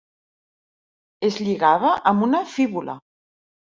Es lligava amb una fíbula.